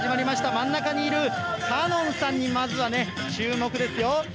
真ん中にいるかのんさんにね、まずはね、注目ですよ。